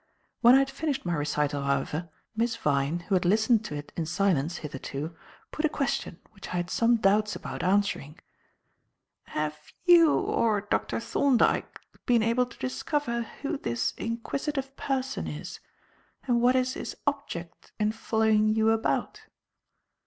When I had finished my recital, however, Miss Vyne, who had listened to it in silence, hitherto, put a question which I had some doubts about answering. "Have you or Dr. Thorndyke been able to discover who this inquisitive person is and what is his object in following you about?"